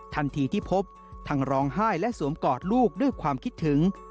ทันทีที่พบทั้งร้องไห้และสวมกอดลูกด้วยความคิดถึง